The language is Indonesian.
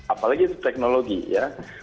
apalagi itu teknologi ya